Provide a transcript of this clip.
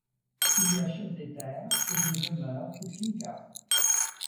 Il y achète des terres et des demeures ou fincas.